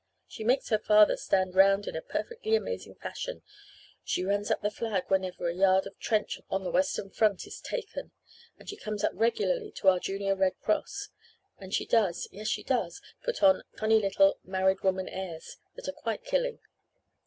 She makes her father stand round in a perfectly amazing fashion; she runs up the flag whenever a yard of trench on the western front is taken; and she comes up regularly to our Junior Red Cross; and she does yes, she does put on funny little 'married woman' airs that are quite killing.